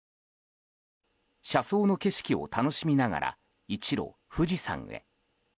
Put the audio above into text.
車窓の景色を楽しみながら一路、富士山へ。